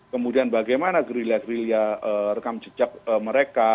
kemudian bagaimana gerilya gerilya rekam jejak mereka